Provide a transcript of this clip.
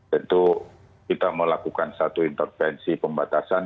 tentu kita melakukan satu intervensi pembatasan